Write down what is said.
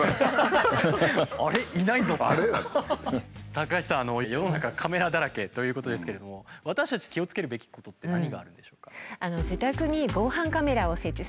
高橋さん世の中カメラだらけということですけれども私たち気をつけるべきことって何があるんでしょうか？